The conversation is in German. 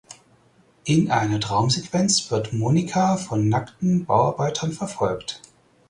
In einer Traumsequenz wird Monika von nackten Bauarbeitern verfolgt.